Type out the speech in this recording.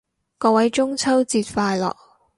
各位中秋節快樂